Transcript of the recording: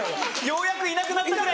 「ようやくいなくなった」。